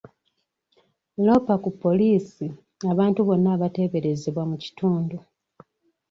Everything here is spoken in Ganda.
Loopa ku poliisi abantu bonna abateeberezebwa mu kitundu.